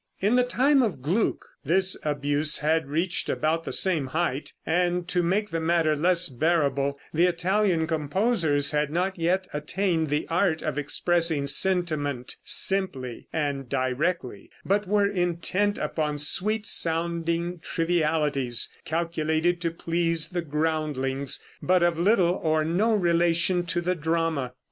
In the time of Gluck this abuse had reached about the same height, and to make the matter less bearable, the Italian composers had not yet attained the art of expressing sentiment simply and directly, but were intent upon sweet sounding trivialities calculated to please the groundlings, but of little or no relation to the drama.